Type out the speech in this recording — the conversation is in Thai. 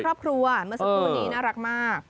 มาเป็นครอบครัวเมื่อสัปดาห์นี้น่ารักมาก